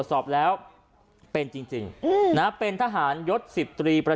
ก็แค่มีเรื่องเดียวให้มันพอแค่นี้เถอะ